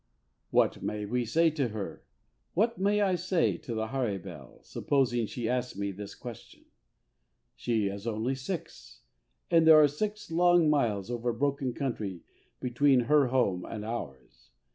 What may we say to her? What may I say to the Harebell supposing she asks me this question? She is only six, and there are six long miles over broken country between her home and ours.